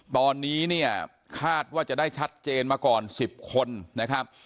ตอนนี้เนี่ยคาดว่าจะได้ชัดเจนมาก่อน๑๐คนนะครับ